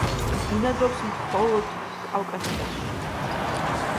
ბინადრობს მხოლოდ კავკასიაში.